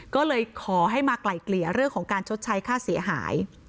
ก็เลยขอให้มาไกล่เกลี่ยเรื่องของการชดใช้ค่าเสียหาย